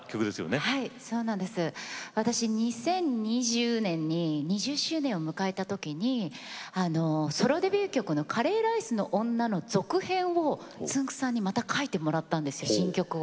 私、２０２０年に２０周年を迎えた時にソロデビュー曲の「カレーライスの女」の続編をつんく♂さんに書いてもらったんです、新曲を。